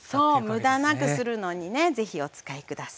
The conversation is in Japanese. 無駄なくするのにね是非お使い下さい。